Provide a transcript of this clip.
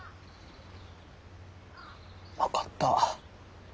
分かった。